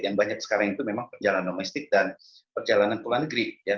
yang banyak sekarang itu memang perjalanan domestik dan perjalanan ke luar negeri